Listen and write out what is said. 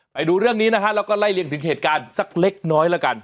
ไปดูเรื่องนี้นะฮะแล้วก็ไล่เลี่ยถึงเหตุการณ์สักเล็กน้อยแล้วกัน